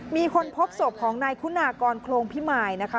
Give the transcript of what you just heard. มีคนพบศพของนายคุณากรโครงพิมายนะคะ